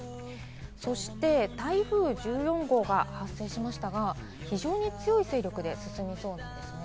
そして、台風１４号が発生しましたが、非常に強い勢力で進みそうなんですね。